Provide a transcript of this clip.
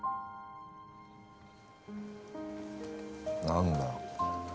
何だ？